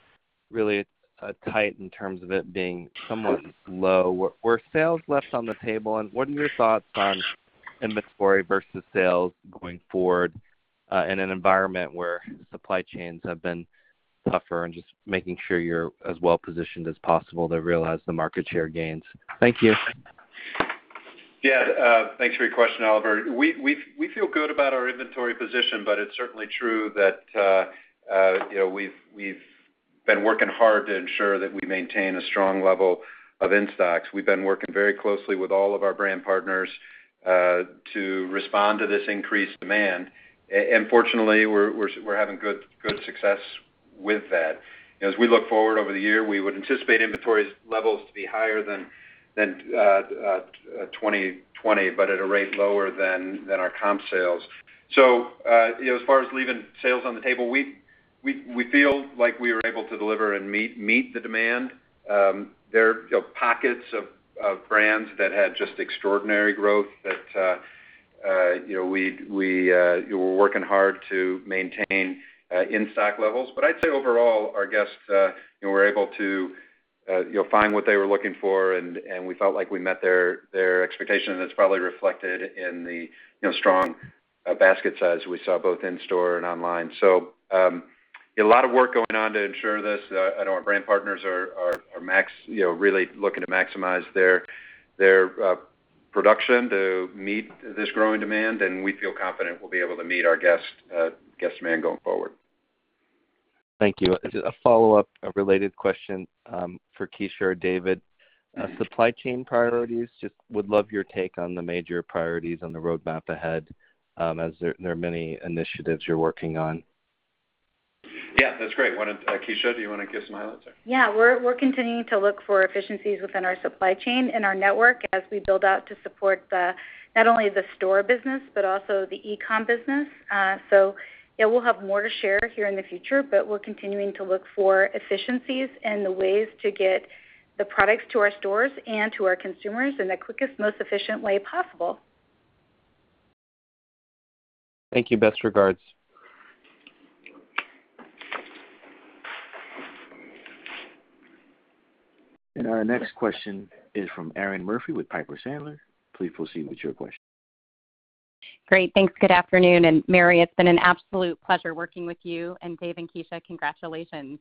tight in terms of it being somewhat low. Were sales left on the table, and what are your thoughts on inventory versus sales going forward in an environment where supply chains have been tougher and just making sure you're as well positioned as possible to realize the market share gains? Thank you. Yeah. Thanks for your question, Oliver. We feel good about our inventory position, but it's certainly true that we've been working hard to ensure that we maintain a strong level of in-stocks. We've been working very closely with all of our brand partners, to respond to this increased demand. Fortunately, we're having good success with that. As we look forward over the year, we would anticipate inventory levels to be higher than 2020, but at a rate lower than our comp sales. As far as leaving sales on the table, we feel like we were able to deliver and meet the demand. There are pockets of brands that had just extraordinary growth that we're working hard to maintain in-stock levels. I'd say overall, our guests were able to find what they were looking for, and we felt like we met their expectations, and it's probably reflected in the strong basket size we saw both in store and online. A lot of work going on to ensure this. I know our brand partners are really looking to maximize their production to meet this growing demand, and we feel confident we'll be able to meet our guest demand going forward. Thank you. A follow-up, a related question for Kecia or Dave. Supply chain priorities, just would love your take on the major priorities on the roadmap ahead, as there are many initiatives you're working on. Yeah, that's great. Kecia, do you want to kick us off? We're continuing to look for efficiencies within our supply chain and our network as we build out to support not only the store business but also the e-com business. We'll have more to share here in the future, but we're continuing to look for efficiencies and ways to get the products to our stores and to our consumers in the quickest, most efficient way possible. Thank you. Best regards. Our next question is from Erinn Murphy with Piper Sandler. Please proceed with your question. Great. Thanks. Good afternoon. Mary, it's been an absolute pleasure working with you, Dave and Kecia, congratulations.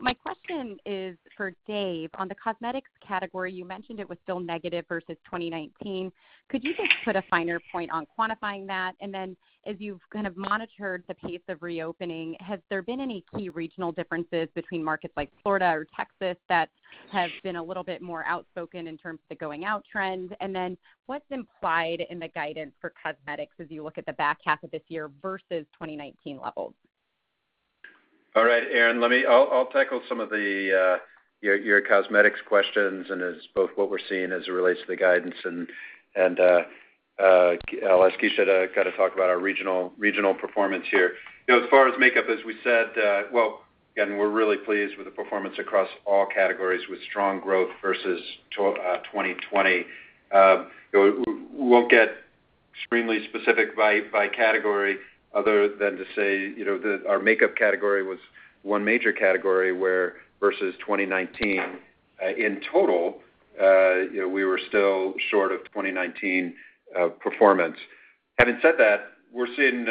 My question is for Dave. On the cosmetics category, you mentioned it was still negative versus 2019. Could you just put a finer point on quantifying that? Then, as you've kind of monitored the pace of reopening, has there been any key regional differences between markets like Florida or Texas that have been a little bit more outspoken in terms of the going out trends? Then what's implied in the guidance for cosmetics as you look at the back half of this year versus 2019 levels? All right, Erinn, I'll tackle some of your cosmetics questions and both what we're seeing as it relates to the guidance and, as Kecia, talk about our regional performance here. As far as makeup, as we said, again, we're really pleased with the performance across all categories with strong growth versus 2020. Won't get extremely specific by category other than to say, our makeup category was one major category where versus 2019 in total we were still short of 2019 performance. Having said that, we're seeing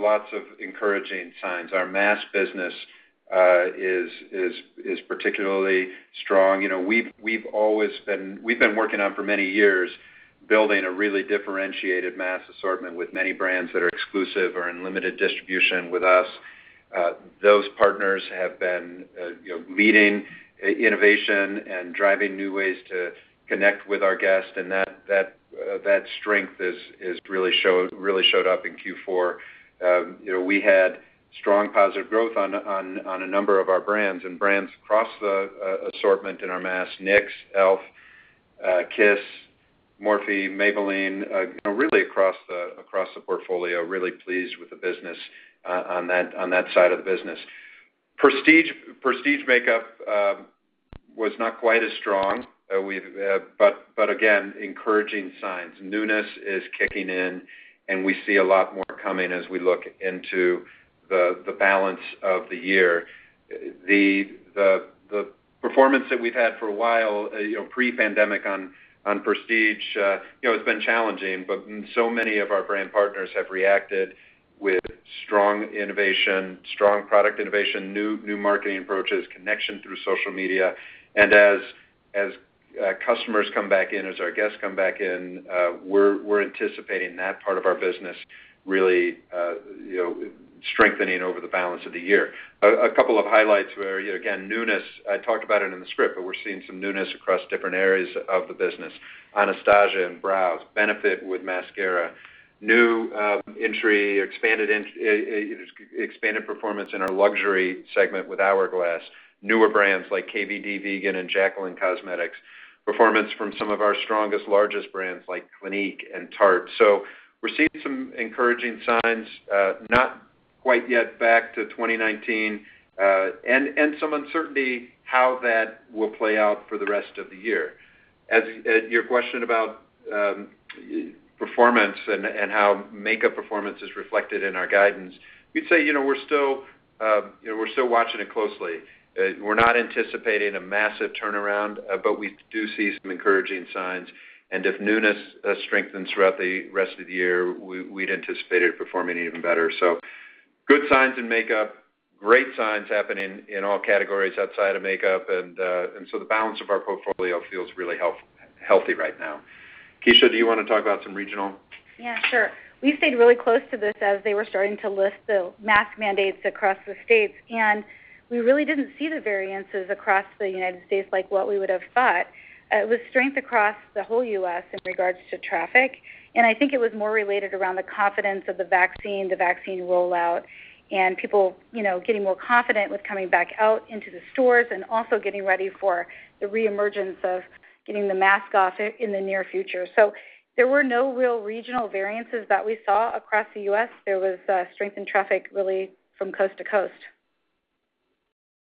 lots of encouraging signs. Our mass business is particularly strong. We've been working on for many years building a really differentiated mass assortment with many brands that are exclusive or in limited distribution with us. Those partners have been leading innovation and driving new ways to connect with our guests, and that strength has really showed up in Q4. We had strong positive growth on a number of our brands across the assortment in our mass, NYX, e.l.f., Kiss, Morphe, Maybelline, really across the portfolio, really pleased with the business on that side of the business. Prestige makeup was not quite as strong. Again, encouraging signs. Newness is kicking in, we see a lot more coming as we look into the balance of the year. The performance that we've had for a while, pre-pandemic on prestige has been challenging. So many of our brand partners have reacted with strong innovation, strong product innovation, new marketing approaches, connection through social media. As customers come back in, as our guests come back in, we're anticipating that part of our business really strengthening over the balance of the year. A couple of highlights were, again, newness. I talked about it in the script, but we're seeing some newness across different areas of the business. Anastasia in brows, Benefit with mascara, new entry, expanded performance in our luxury segment with Hourglass, newer brands like KVD Vegan and Jaclyn Cosmetics, performance from some of our strongest, largest brands like Clinique and Tarte. We're seeing some encouraging signs, not quite yet back to 2019, and some uncertainty how that will play out for the rest of the year. As your question about performance and how makeup performance is reflected in our guidance, we'd say we're still watching it closely. We're not anticipating a massive turnaround, but we do see some encouraging signs, and if newness strengthens throughout the rest of the year, we'd anticipate it performing even better. Good signs in makeup, great signs happening in all categories outside of makeup, the balance of our portfolio feels really healthy right now. Kecia, do you want to talk about some regional? Yeah, sure. We stayed really close to this as they were starting to lift the mask mandates across the states. We really didn't see the variances across the United States like what we would have thought. It was strength across the whole U.S. in regards to traffic. I think it was more related around the confidence of the vaccine, the vaccine rollout, and people getting more confident with coming back out into the stores and also getting ready for the reemergence of getting the mask off in the near future. There were no real regional variances that we saw across the U.S. There was strength in traffic really from coast to coast.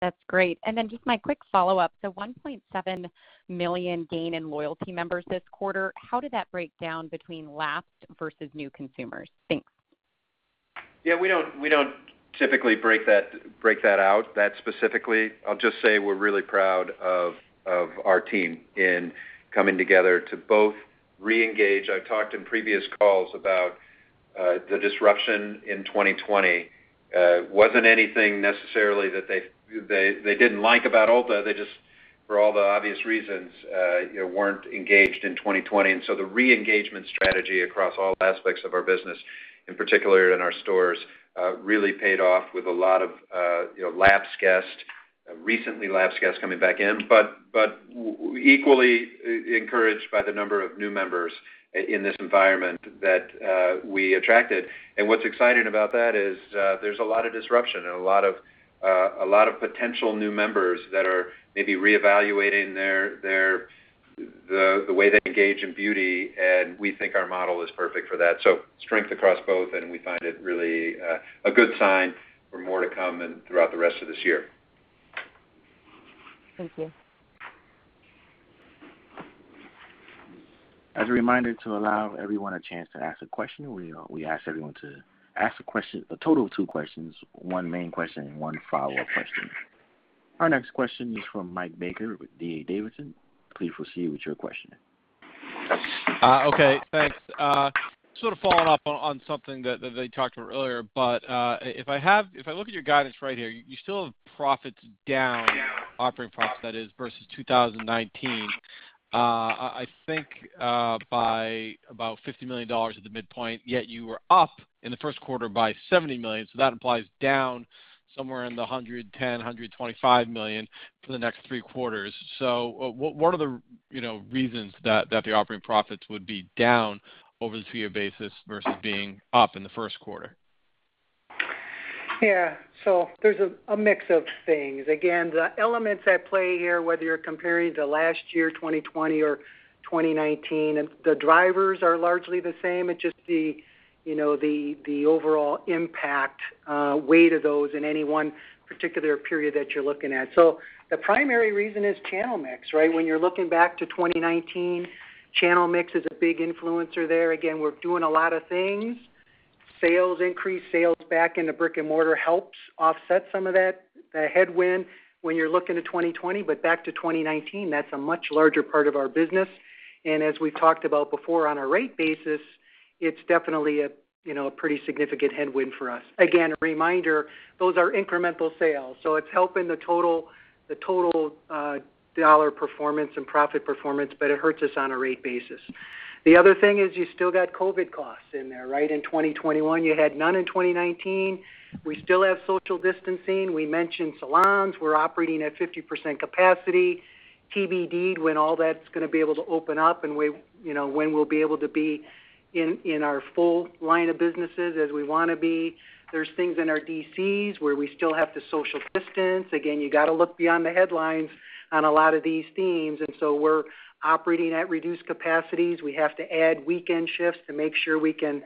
That's great. Just my quick follow-up, the 1.7 million gain in loyalty members this quarter, how did that break down between lapsed versus new consumers? Thanks. Yeah, we don't typically break that out that specifically. I'll just say we're really proud of our team in coming together to both reengage. I've talked in previous calls about the disruption in 2020. Wasn't anything necessarily that they didn't like about Ulta. They just for all the obvious reasons, weren't engaged in 2020. The re-engagement strategy across all aspects of our business, in particular in our stores, really paid off with a lot of recently lapsed guests coming back in. Equally encouraged by the number of new members in this environment that we attracted. What's exciting about that is there's a lot of disruption and a lot of potential new members that are maybe reevaluating the way they engage in beauty, and we think our model is perfect for that. Strength across both, and we find it really a good sign for more to come throughout the rest of this year. Thank you. As a reminder to allow everyone a chance to ask a question, we ask everyone to ask a total of two questions, one main question and one follow-up question. Our next question is from Mike Baker with D.A. Davidson. Please proceed with your question. Okay, thanks. Sort of following up on something that they talked about earlier. If I look at your guidance right here, you still have profits down, operating profits that is, versus 2019. I think by about $50 million at the midpoint, yet you were up in the first quarter by $70 million. That implies down somewhere in the $110 million-$125 million for the next three quarters. What are the reasons that the operating profits would be down over this year basis versus being up in the first quarter? Yeah. There's a mix of things. Again, the elements at play here, whether you're comparing to last year, 2020 or 2019, the drivers are largely the same. It's just the overall impact, weight of those in any one particular period that you're looking at. The primary reason is channel mix. When you're looking back to 2019, channel mix is a big influencer there. Again, we're doing a lot of things. Sales increase, sales back into brick and mortar helps offset some of that headwind when you're looking at 2020. Back to 2019, that's a much larger part of our business. As we talked about before, on a rate basis, it's definitely a pretty significant headwind for us. Again, a reminder, those are incremental sales, so it's helping the total dollar performance and profit performance, but it hurts us on a rate basis. The other thing is you still got COVID costs in there. In 2021, you had none in 2019. We still have social distancing. We mentioned salons. We're operating at 50% capacity. TBD, when all that's going to be able to open up and when we'll be able to be in our full line of businesses as we want to be. There's things in our DCs where we still have to social distance. Again, you got to look beyond the headlines on a lot of these themes. We're operating at reduced capacities. We have to add weekend shifts to make sure we can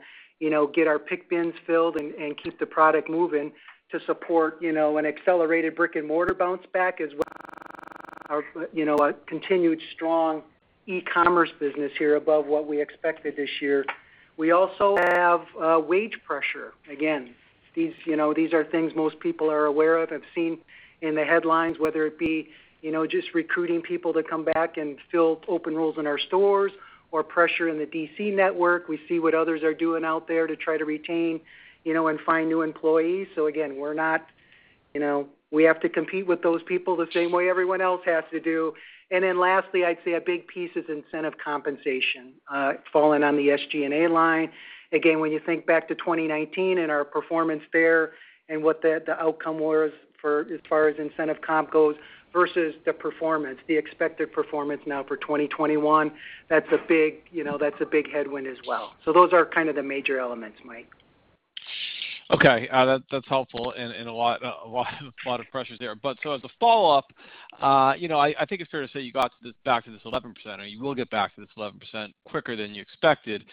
get our pick bins filled and keep the product moving to support an accelerated brick and mortar bounce back as well as a continued strong e-commerce business here above what we expected this year. We also have wage pressure. Again, these are things most people are aware of, have seen in the headlines, whether it be just recruiting people to come back and fill open roles in our stores or pressure in the DC network. We see what others are doing out there to try to retain and find new employees. Again, we have to compete with those people the same way everyone else has to do. Lastly, I'd say a big piece is incentive compensation, falling on the SG&A line. Again, when you think back to 2019 and our performance there and what the outcome was as far as incentive comp goes versus the performance, the expected performance now for 2021, that's a big headwind as well. Those are kind of the major elements, Mike. Okay. That's helpful and a lot of pressures there. As a follow-up, I think it's fair to say you got back to this 11%, or you will get back to this 11% quicker than you expected.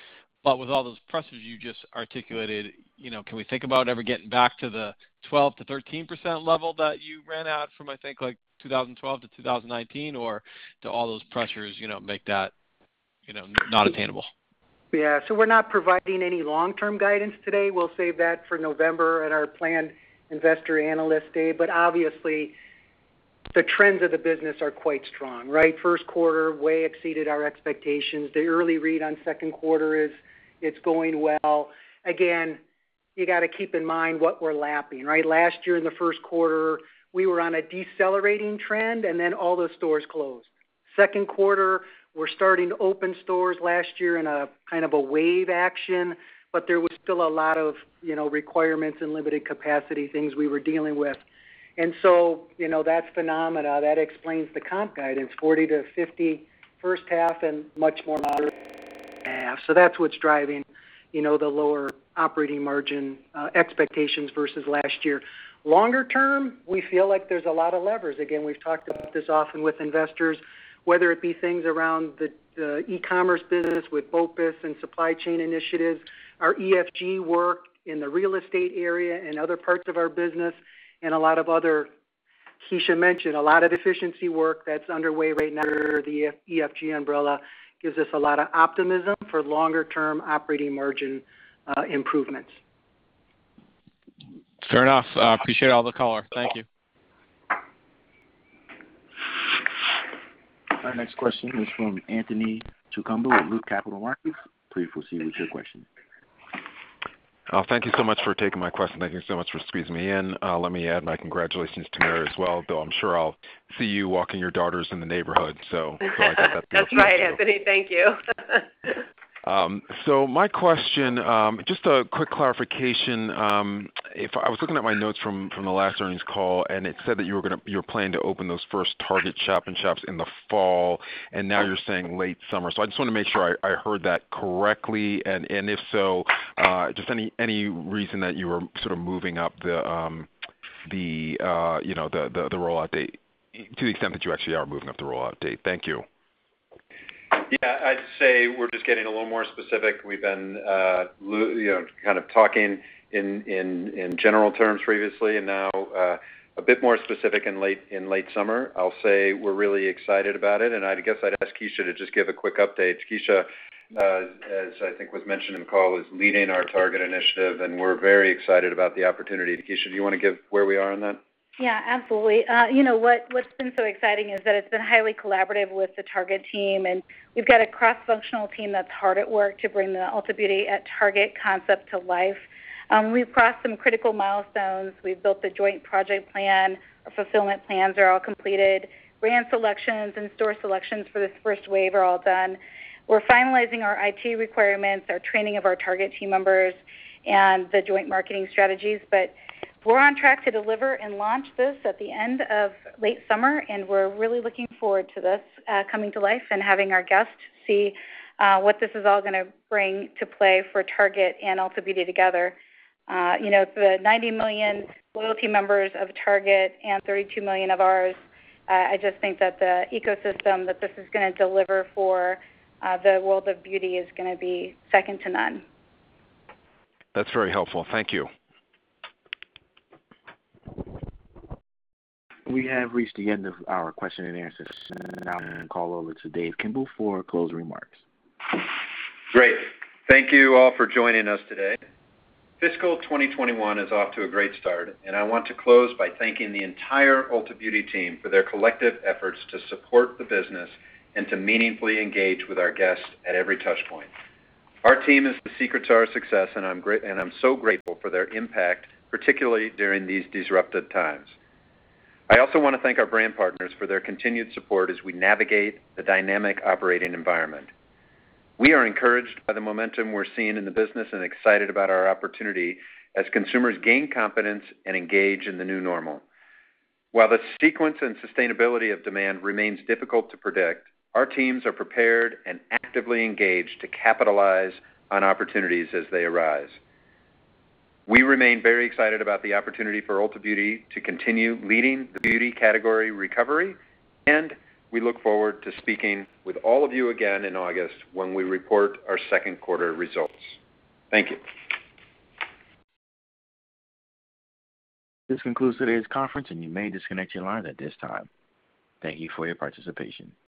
With all those pressures you just articulated, can we think about ever getting back to the 12%-13% level that you ran at from, I think 2012 to 2019? Do all those pressures make that not attainable? Yeah. We're not providing any long-term guidance today. We'll save that for November at our planned Investor Analyst Day. Obviously, the trends of the business are quite strong. First quarter way exceeded our expectations. The early read on second quarter is it's going well. Again, you got to keep in mind what we're lapping. Last year in the first quarter, we were on a decelerating trend, then all the stores closed. Second quarter, we're starting to open stores last year in a kind of a wave action, but there was still a lot of requirements and limited capacity things we were dealing with. That phenomena, that explains the comp guidance, 40%-50% first half and much more moderate in the back half. That's what's driving the lower operating margin expectations versus last year. Longer term, we feel like there's a lot of levers. We've talked about this often with investors, whether it be things around the e-commerce business with BOPIS and supply chain initiatives, our EFG work in the real estate area and other parts of our business, and a lot of other, Kecia mentioned, a lot of efficiency work that's underway right now under the EFG umbrella gives us a lot of optimism for longer term operating margin improvements. Fair enough. I appreciate all the color. Thank you. Our next question is from Anthony Chukumba with Loop Capital Markets. Please proceed with your question. Thank you so much for taking my question. Thank you so much for squeezing me in. Let me add my congratulations to Mary as well, though I'm sure I'll see you walking your daughters in the neighborhood, so I'll get that note too. That's right, Anthony. Thank you. My question, just a quick clarification. I was looking at my notes from the last earnings call, and it said that you plan to open those first Target Shop-in-Shops in the fall, and now you're saying late summer. I just want to make sure I heard that correctly, and if so, just any reason that you are moving up the rollout date to the extent that you actually are moving up the rollout date? Thank you. Yeah, I'd say we're just getting a little more specific. We've been kind of talking in general terms previously, and now a bit more specific in late summer. I'll say we're really excited about it, and I guess I'd ask Kecia to just give a quick update. Kecia, as I think was mentioned in the call, is leading our Target Initiative, and we're very excited about the opportunity. Kecia, do you want to give where we are on that? Yeah, absolutely. What's been so exciting is that it's been highly collaborative with the Target team, and we've got a cross-functional team that's hard at work to bring the Ulta Beauty at Target concept to life. We've crossed some critical milestones. We've built the joint project plan. Fulfillment plans are all completed. Brand selections and store selections for this first wave are all done. We're finalizing our IT requirements, our training of our Target team members, and the joint marketing strategies. We're on track to deliver and launch this at the end of late summer, and we're really looking forward to this coming to life and having our guests see what this is all going to bring to play for Target and Ulta Beauty together. The 90 million loyalty members of Target and 32 million of ours, I just think that the ecosystem that this is going to deliver for the world of beauty is going to be second to none. That's very helpful. Thank you. We have reached the end of our question and answer session. I'll now turn the call over to Dave Kimbell for closing remarks. Great. Thank you all for joining us today. Fiscal 2021 is off to a great start. I want to close by thanking the entire Ulta Beauty team for their collective efforts to support the business and to meaningfully engage with our guests at every touchpoint. Our team is the secret to our success. I'm so grateful for their impact, particularly during these disruptive times. I also want to thank our brand partners for their continued support as we navigate the dynamic operating environment. We are encouraged by the momentum we're seeing in the business and excited about our opportunity as consumers gain confidence and engage in the new normal. While the sequence and sustainability of demand remains difficult to predict, our teams are prepared and actively engaged to capitalize on opportunities as they arise. We remain very excited about the opportunity for Ulta Beauty to continue leading the beauty category recovery. We look forward to speaking with all of you again in August when we report our second quarter results. Thank you. This concludes today's conference. You may disconnect your lines at this time. Thank you for your participation.